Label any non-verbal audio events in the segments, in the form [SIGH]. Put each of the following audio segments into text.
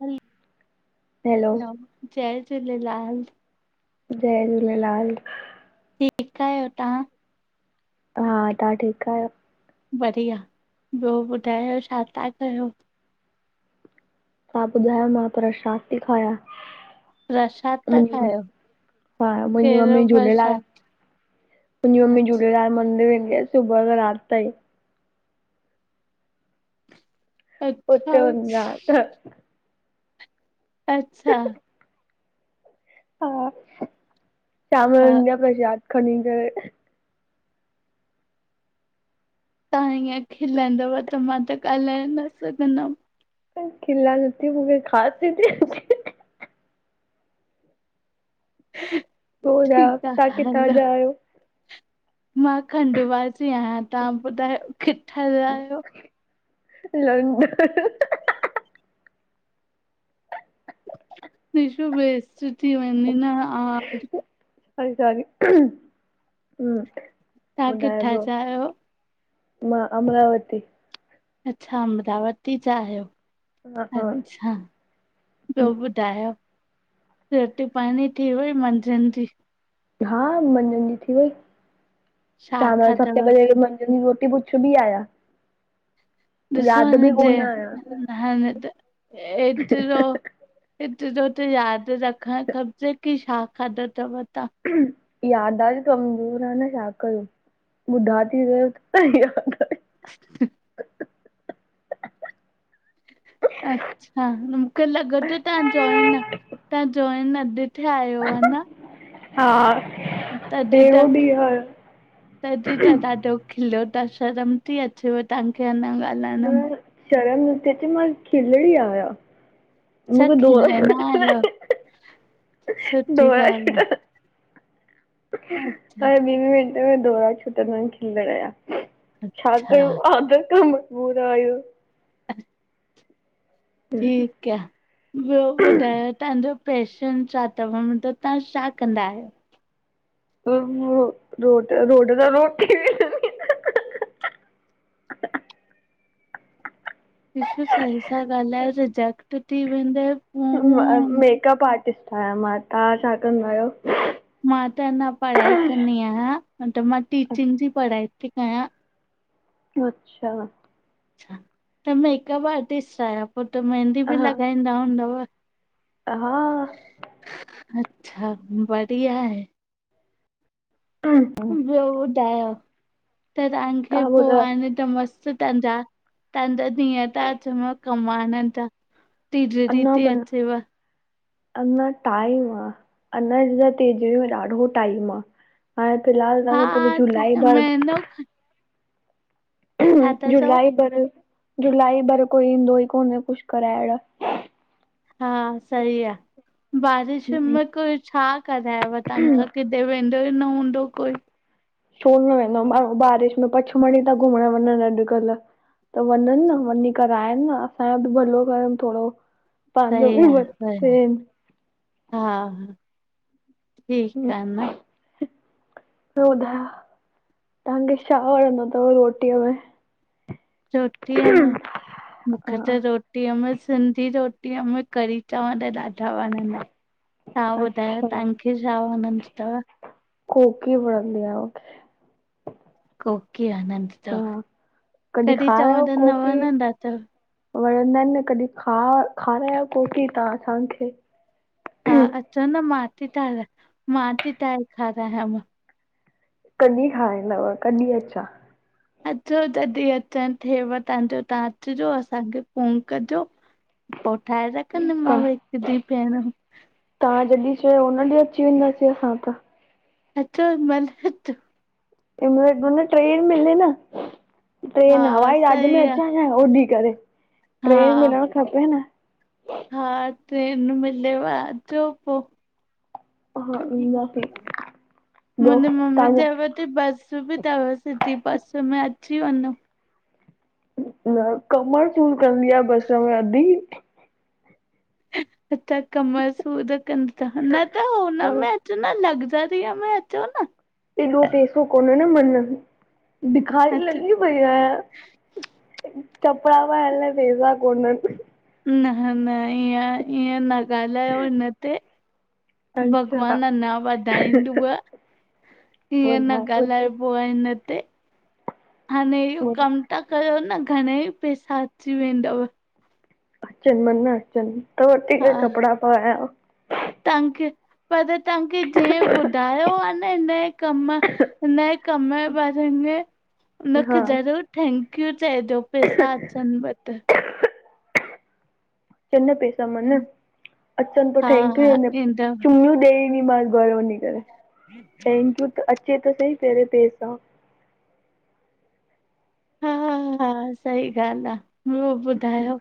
हलो- hello, hello जय झूलेलाल। जय झूलेलाल। ठीकु आहियो तंहा? हा तहां ठीकु आहियो? बढ़िया ॿियो ॿुधायो छा था कयो? तहां ॿुधायो? मां प्रसाद खाईया। प्रसाद हा था खायो? मुंहिंजी कहिड़ो मम्मी झूलेलाल प्रसाद? मुंहिंजी मम्मी झुलेलाल मंदीर वेंदी आहे सुबह खां रात तई। अच्छा उते वेंदी या। त अच्छा। हा, शाम जो हा ईंदी आ प्रशाद खणीं करे। तव्हां ईीअं खिलंदव त मां त ॻाल्हाए न सघंदमि। खिला नथी मूंखे खासी थी। अचे। ॿियो ॿुधायो ठीक आ। तव्हां किथां हलो। जा आहियो? मां खंडवा जी आहियां तव्हां ॿुधायो किथां जा आहियो? लंडन। निशो वेस्ट थी वञे न आज। सारी ह ह तव्हां ॿुधायो किथां ॿेयो? जा आहियो? मां अमरावती। अच्छा अमरावती जा आहियो हा हा अच्छा ॿियो ॿुध ॿुधायो रोटी पाणी थी वेई मंझंन जी? हा, मंझंन जी थी। वई छा शाम जो सते खाधव बजे वेंदम। जी रोटी पुछ बि आ या। ॾिसो न जेे कोन आहियां त एतिरो ऐतिरो त यादि रखणु खपजे की छा खाधो अथव तव्हां? यादाश कमज़ोर आहे न छा कयो ॿुधा थी वयो आयूँ। [INAUDIBLE] अच्छा मूंखे लॻे थो तव्हां जोइ न तव्हां जोइ न ठि आहियो आहे न? हा। तॾहिं पहिरों त ॾींहुं आहियां तॾहिं त दाढो। खिलियो ता शर्म थी अचेव तव्हांखे अञा ॻाल्हाइण में। न शर्म न थी अचे मां खिलड़ी आया। अच्छा मूंखे खिलंदा दोर आहियो छ दो सुठी छ ॻाल्हि [UNINTELLIGIBLE] आहे अच्छा हर ॿिन मिंटे में दौरा छुटदा आहिन खिलंण या। छा अच्छा कयूं, आदत खां मजबूर आहयूं। अच्छ ठीकु कया ॿियो ॿुधायो, तव्हांजो पैशन छा थव मतलबु तव्हां छा कंदा आहियो? रोड ता रोड थी [UNINTELLIGIBLE] वे ॾिसो, सही सां ॻाल्हायो, रिजेक्ट थी वेंदव। मेकअप आर्टिस्ट आहियां मां, तां छा कंदा आहियो? मां त अंञा पढ़ाई कंदी आहियां मतलब मां टीचिंग जी पढ़ाई थी कयां। अच्छा! अच्छा त मेकअप आर्टिस्ट आहियो, पो त मेंहदी बि लॻाईंदा हूंदव? हा। अच्छा, बढ़िया आहे। ॿियो ॿुधायो त तव्हांखे पो ॿुधायो आ न त मस्तु तव्हांजा, त्हांजा ॾींहं था अचन कमांएण जा। तीजड़ी अञा थी मन अचेव। अञा टाइम आ, अञा त तिजॾीअ में ॾाढो टाइम आ। हाणे फिलहाल तव्वांजो पूरी जुलाई बाद नौखड [UNINTELLIGIBLE] चओ जुलाई भर- जुलाई भर कोई ईंदो ई कोन ए कुझ कराएण। हा सही आ, बारिश में कोई छा करायव तहां खा वेंदो ई न हूदों कोई! छो न वेंदो माण्हू, बारिश में पंचमड़ी था घुमणु वञनि अॼुकल्ह। त वञनि न वञी कराइनि न, असांजो बि भलो करन थोड़ो। पांजो सही बि आ भलो सही थियनि। हा, हा ठीकु आ न। ॿियो ॿुधायो तव्हांखे छा वणंदो थव रोटीअ में? रोटीअ मे, मूंखे त हा रो रोटीअ में, सिंधी रोटीअ में कढ़ी चांवर ॾाढा वणंदा आहिन। तां ॿुधायो अच्छा तंव्हा खे छा वणदो थव? कोकी वणंदी आ मुखे। कोकी वणंदी थव, हा। कॾहिं कड़ी खारायो चांवर न कोकी वणंदा थव? वणंदा आहिन न, कॾहिं खारायो कोकी तव्हां असांखे। हा अचो न मां थी ठाराए मां थी ठाहे खारायांव। कॾहिं खाराईंदव, कॾहिं अचां? अचो जॾहिं अचणु थेव तव्हांजो, तव्हां अचिजो असांखे फ़ोन कजो। [INAUDIBLE] पो ठाहे रखंदीमांव हिकु ॾींहुं भेण। तव्हां जॾहिं चओ हुन ॾींहुं अची वेंदासीं असां त। अचो, जे महिल अचो। जे महिल मन ट्रेन मिले न हा ट्रेन, हवाईजहाज में सही आ अचां उॾरी करे, ट्रेन हा मिलणु खपे न। हा ट्रेन मिलेव अचो पो। हा ईंदासीं ॿियो मुंहिंजी मम्मी तव्हांजा चवे पई बस बि थव, सिधी बस में अची वञो। न, कमर सूर कंदी आ बस में अद्दी। अच्छा कमर सूर कंदी थव, त न हा हुनमें अचो न लॻज़री। में अचो न। एॾो पेसो कोन ए न मन, भिखारी अच्छा लॻी पई आहियां, कपिड़ा पाएण लाए पेसा कोननि। न न, ईंअ न ॻाल्हायो हिन ते, अच्छा भॻवान अंञा वधाईंदुव। ईंअं न ॿुधायो ॻाल्हाइबो आ हिन ते, हाणे इहो कमु त कयो न, घणेई पेसा अची वेंदव। अचनि मन अचनि, त वठी करे कपिड़ा पायां। तहांखे, पर तहांखे जेंह ॿुधायो आ न हिनये कमु, हिन कमु जे बारे में, हुनखे हा ज़रूर थैंक थैंक यू चएजो, पैसा अचनिव त। अचन न पैसा मन, अचन पो हा थैंक्यू हा छा ईंदव चुमयूं ॾेई इंदी मांन घरु वञी करे, थैंक्यू त, अचे त सही पहिरें पेसा। हा हा हा, सही ॻाल्हि आ, ॿियो ॿुधायो?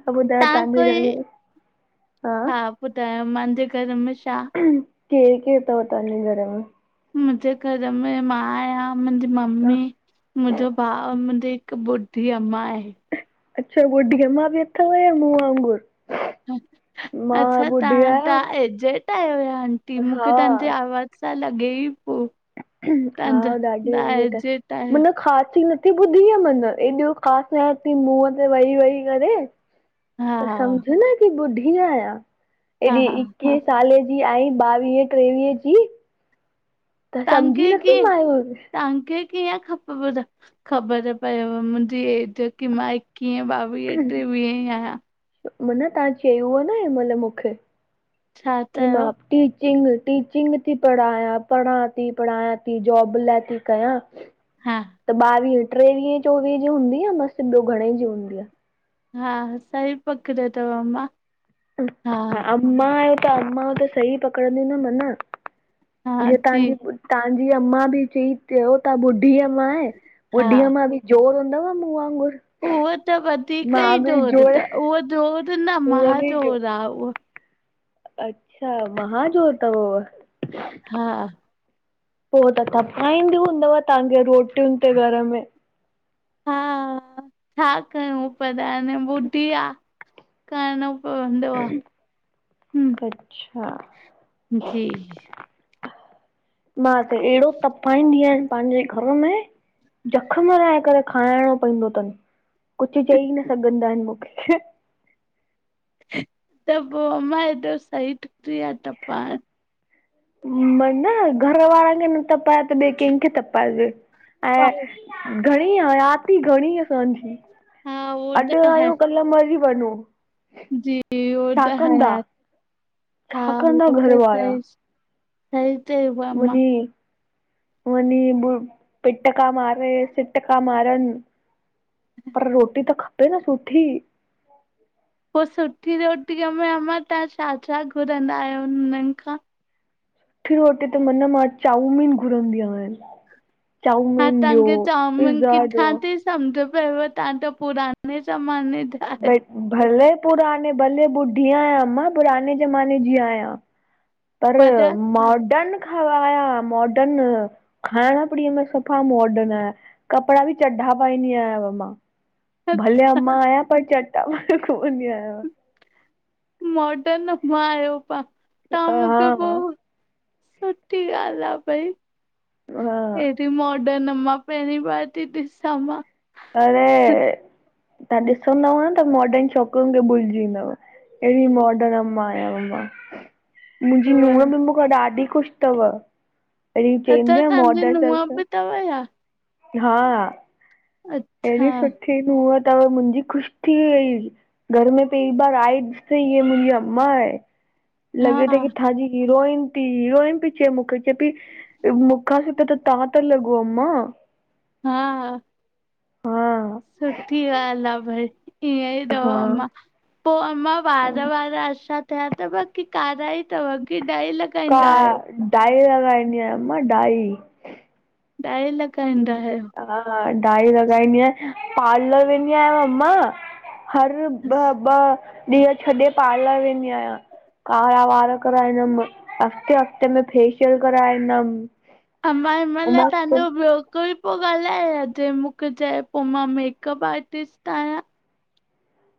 तव्हां ॿुधायो तहां तव्हांजे कोई, घर में हा ॿुधायो मंहांजे घर में छा?? केरि केरि थव तहांजे घर में? मुंहिंजे घर में मां आहियां मुंहिंजी हा मम्मी, मुंहिंजो भाउ, मुंहिंजी हिकु बुढी अम्मा आहे। अच्छा ॿुढी अम्मा बि अथव छा मुहं वांगुरु! अच्छा आहियां तहां एजेॾ आहियो छा आंटी मूंखे हा तहांजी आवाज़ु तां लॻे ई पो। हा ॾाढी एजेड, एजेट आहियो मना ख़ांसी न त ॿुधी आ मन एॾो ख़ांसि न मुंहं ते वेई वेई करे हा त सम्झ न कि ॿुढी आहियां, हा हेॾी हा हा एकवीहें साले जी जी आई ॿावीहे टेवीह जी। त सम्झी तहांखे नथी किए मायो तहांखे किअं ख़बर पयव ख़बर पयव मुहिंजी एज कि मां एकिवीहें ॿावीहें टेवीहें जी आहियां। मन तव्हां चयो हुव न हिन महिल मूंखे छा कि मां चयो टीचिंग टीचिंग थी पढ़ाया पढ़ां थी पढ़ाया थी जॉब ला ऐ थी कयां। हा त ॿावीहे टेवीह चोवीह जी हूंदी अं बसि, ॿियो घणे जी हूंदीअं। हा सही पकड़ियो थव अम्मा। हा अम्मा आहयूं त अम्मा त सही पकड़ंदी न मन। हा जीअं जी तवहांजी तवहांजी अम्मा बि चई चयो था ॿुढ ढी अमां आहे हा ॿुढीअमां बि जोरु हूंदव मूंहं वांगुरु! उहा त वधीक ई जोरु तव, उहा जोरु न हूअ बि जो महाजोर आ उहा। अच्छा महाजोरु थव उह! हा। पो त तपाईंदी हूंदव तहांखे रोटियुनि ते घर में। हा छा कयूं पर हाणे ॿुढी आ, करणो पवंदो आह, हम्म अच्छा जी। मा त अहिड़ो तपांईंदी आहियांन। पंहिंजे घर में जखम लाए करे खाइणो पवंदो अथनि। कुछ चई न सघंदा आहिनि मूंखे। त, पोइ मां हेॾो सही ठुकी आहिया त पा मन घर वारनि खे न तपाए त ॿिए कंहिंखे तपाइजे ऐं। घणी हयाती, घणी असांजी। हा उहो त अॼु है आयू, कल मरी वञऊ। जी उहो छा त है कंदा हा छा, कंदा उहो घर त वारा। सही सही चयव। मुंहिंजी। वञी ब पिटका मारे सिटका मारनि। पर रोटी त खपे न सुठी। पोइ सुठी रोटीअ में अमां तव्हां छा छा घुरंदा आहियो हुननि खां? सुठी रोटी त मन मां चाऊमीन घुरंदी आहियां। हा चाउमीन ॾियो, पिज्जा ॾियो। समझ पयव तव्हां त पुराने जमाने। भले पुराणे, भले ॿुढी आहियां। अमां पुराणे जमाने जी आहियां। पर मॉडन खराया। मॉर्डन खाइण पीअण में सफा मॉर्डन आह। कपड़ा बि चढा पाईंदी आहियांव मां। भले अमां आहियां पर चढा पाये घुमंदी आहियांव। मॉडन अमां आयो पा तव्हां मूंखे हा पोइ। सुठी ॻाल्हि आहे भई, हा हेॾी माड। ॾ अमां पहिरीं बार थी ॾिसां मा। अरे तव्हां ॾिसंदव त मॉर्डन छोकिरियून खे भुलिजी वेदव। अहिड़ी मोर्डन अमां आहियांव मां। मुंहिंजी नूह उवई, बि मूंखा ॾाढी खुशि तव। तॾी चईंदी आ, मोर्डन ससु। तवया। हा। अच्छा अॾी सुठी नूह अथव मुंहिंजी खुशि थी वई। घर में पहिरी बार आई ॾिठई हीअ मुंहिंजी अम्मा आए। लॻे त हा कीथां जी हीरोइन। हीरोइन पई चये मुखे चये पई मूंखा सुठा त तव्हां ता लॻो अम्मां। हा। हा। हा। सुठी ॻाल्हि आ भई ईअं ई तव हा अमा पोइ। अमां वार वार अशा थिया तव कि कारा ई अथव की डाई लग का डाई लॻाईंनी आहियां अम्मां डाई। ॾाई लॻाईंदा आहियो। हा। हा। डाई लॻाईंदी आहियां। पालर वेंदी आहियां अम्मां। हर ॿ ॿ ॾींहं छॾे पार्लर वेंदी आहियां। कारा वारा कराये ईंदुमि, हफ़्ते, हफ़्ते। में फेशियल कराये ईंदुमि। अमा हिन महिल तव्हांजो ॿियो कोई पोइ ॻाल्हाये जें मूंखे चई पोइ मां मेकअप आर्टिस्ट आहियां।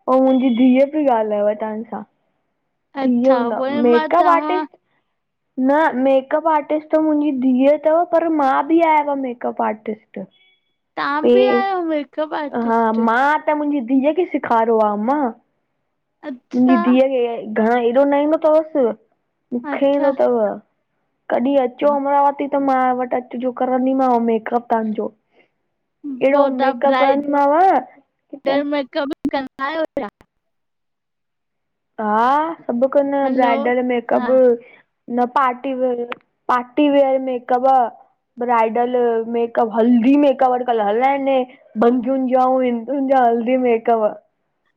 उहा मुंहिंजी धीअ पई ॻाल्हाएव तव्हां सां। थी ओ अच्छा न उहोई मां मेकअप चवां आर्टिस्ट न मेकअप आर्टिस्ट त मुंहिंजी धीअ अथव पर, मां बि आयां मेकअप आर्टिस्ट। तव्हां [INAUDIBLE] बि आहियो मेकअप हा आर्टिस्ट? मां त मुंहिंजी धीउ खे सेखारियो आहे मां, मुंहिंजी अच्छा धीअ खे घणो एॾो न ईंदो अथवसि मूंखे ईंदो अच्छा अथव कॾहिं अचो अमरावती त मां वटि अचिजो, करंदीमव मेकअप तव्हांजो। अहिड़ो पोइ तव्हां मेकअप ब्राइडल कंदीमव, किथे [UNINTELLIGIBLE] हा, सभु कन्दा आहियूं। हलो ब्राइडल मेकअप हा न party wear, party wear makeup bridal makeup, haldi makeup अॼुकल्ह हलाइनि बंदियुनि जा ऐं हिंदुनि जा हल्दी मेकअप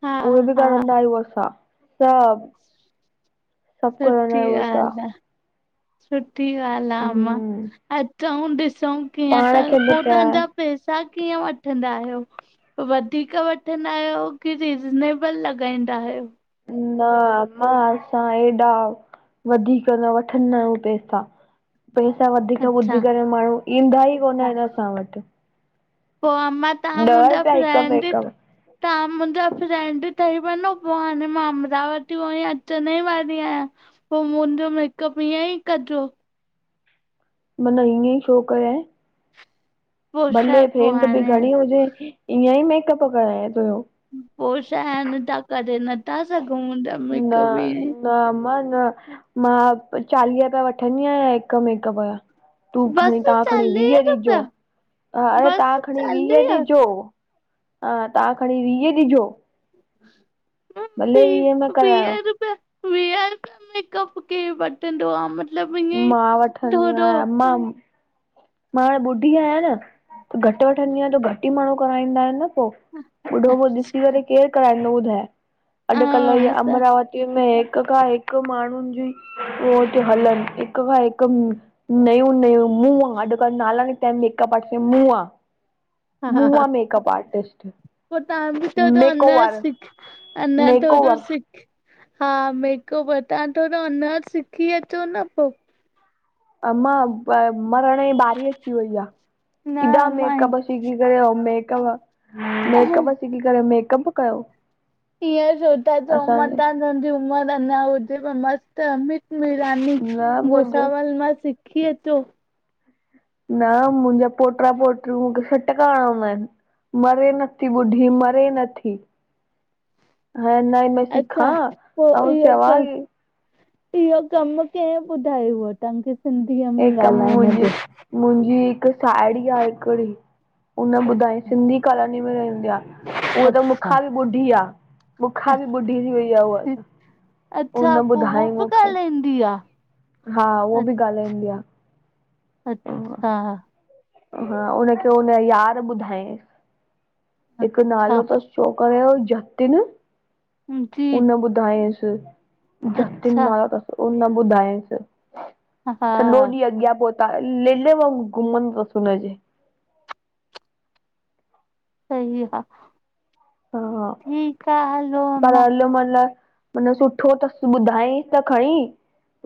हा उहे बि हा करंदा आहियूं असां सब सुठी असां ॻाल्हि आहे। सुठी ॻाल्हि आहे अमा, हम्म अचूं ॾिसूं कीअं पाण त खे पोइ ॿुधाए तव्हांजा पैसा कीअं वठंदा आहियो? वधीक वठंदा आहियो कि रिज़नेबल लॻाईंदा आहियो? न अम्मा असां, असां हेॾा वधीक न वठंदा आहियूं पैसा। पैसा वधीक अच्छा ॿुधी करे माण्हू, ईंदा ई कोन आहिनि असां वटि। पोइ अमा तव्हां ॾह मुंहिंजा रुपया हिक फ्रेंड बि मेक में हिक तव्हां मुंहिंजा फ्रेंंड ठई वञो पोइ हाणे मां अमरावती उहें ई अचण ई वारी आहियां। पोइ मुंहिंजो मेकअप, ईअं ई कजो। मन ईअं ई छो कयाएं? पो छा भले पो फ्रेंड बि हाणे घणी हुजे। ईअं ई मेकअप कराया थो हुयो पोइ छा आहिनि त करे नथा सघूं न न मेकअप ईअं ई। न अमा न, मां चालीह रुपया वठंदी आहियां हिकु मेकअप जा तूं खणी बस तव्हां खणी वीह चालीह ॾिजो, रुपया अड़े बस तव्हां खणी वीह चालीह ॾिजो। हा तव्हां खणी वीह ॾिजो। [UNINTELLIGIBLE] भले वी वीह में करायो। वीह रुपया वीह रुपया मेकअप केर वठंदो आहे? मतिलब ईंअ ई मां थोरो। मां मां हाणे ॿुधी आहियां न, घटि वठंदी आहियां, त घटि ई माण्हू कराईंदा आहिनि न। पो, ॿुढो पो ॾिसी करे केरु कराईंदो ॿुधाए? अ अॼुकल्ह ई असां अमरावती में हिक खां हिकु माण्हुनि जी [UNINTELLIGIBLE] हलनि हिक खां हिकु नयूं नयूं मुआं, अॼुकल्ह नाला निकता आहिनि, मेकअप आर्टिस्ट मुआं। मुआं मेकअप आर्टिस्ट। पोइ तव्हां बि त थोरो अञा मेकओवर सिख, अञा थोरो मेकओवर सिख हा मेकअप, तव्हां थोरो अञा सिखी अचो न पोइ। अमां मरण जी बारी अची वई आहे। न किॾा माए मेकअप सिखी करेे कयो मेकअप, मेकअप सिखी करेे मेकअप कयो। ईअं छो था चयो। अमां, असांजे तव्हां जी उमिरि अञा हुजेव मस्त त अमित मिरानी न मुंहिंजो भुसावल मां सिखी अचो। न मुंहिंजा पोटरा पोटिरियूं सटका हणंदा आहिनि। मरे नथी बुढी, मरे नथी। में अच्छा, सिखां पोइ ऐं इहो त चवां इहो कमु कंहिं ॿुधायुव तव्हांखे सिंधीअ में हे कम ॻाल्हाइण मुंहिंजी जो? मुंहिंजी हिकु साहेड़ी आ हिकड़ी, हुन ॿुधायईं सिंधी कालानी में रहंदी आ। उहा त अच्छा मूंखां बि ॿुढी आ, मूंखां बि ॿुढी थी वई आ उहा त। अच्छा, हुन पोइ हअ ॿुधाई बि मूंखे गाल्हाईंदी आ? हा, हूअ अ बि ॻाल्हाईंदी आ। अच्छा हा, हुनखे हुन जे यार ॿुधायस, हिकु अच्छा नालो तस छो उनयो जतिन, जी हुन ॿुधायस। जतिन अच्छा नालो तस, उन ॿुधायइंस, हा सॼो ॾींहं अॻियां पोहिता त लिल वांगुर घुमंदो तस हुनजेे सही आ, ठीकु आ, हलो अम्मा त म सुठो तस ॿुधाईस त खणी,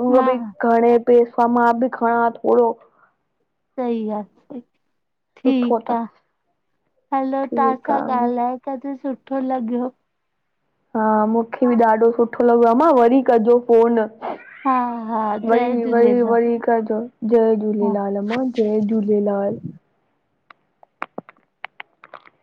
उहो हा भई खणे पैसा मां बि खणा थोरो सही आ, सुठो ठीकु आ, अथसि हलो तव्हां ठीकु छा आहे ॻाल्हाए अॼु सुठो लॻियो। हा, मूंखे बि ॾाढो सुठो लॻो अम्मा, वरी कजो फोन। हा हा वई, जय वई, झूलेलाल वई कजो। जय हा झूलेलाल अम्मा, जय झूलेलाल।